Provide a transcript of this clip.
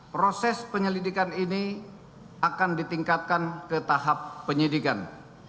proses penyelidikan ini akan ditingkatkan ke tahap penyidikan